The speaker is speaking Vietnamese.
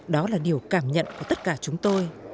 đó là điều cảm nhận của tất cả chúng tôi